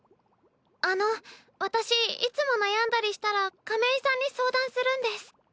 あの私いつも悩んだりしたら亀井さんに相談するんです。